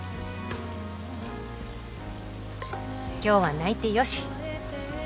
「今日は泣いてよし」